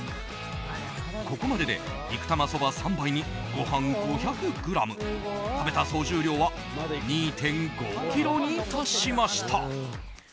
ここまでで、肉玉そば３杯にご飯５００ｇ食べた総重量は２．５ｋｇに達しました。